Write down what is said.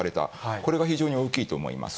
これが非常に大きいと思います。